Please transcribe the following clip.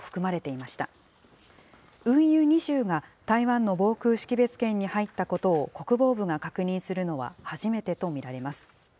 油２０が、台湾の防空識別圏に入ったことを国防部が確認するのは初めてと見られます。